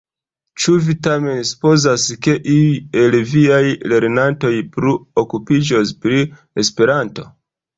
Ĉu vi tamen supozas, ke iuj el viaj lernantoj plu okupiĝos pri Esperanto?